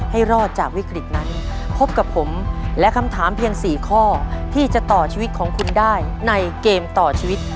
ให้รอดจากวิกฤตนั้นพบกับผมและคำถามเพียง๔ข้อที่จะต่อชีวิตของคุณได้ในเกมต่อชีวิต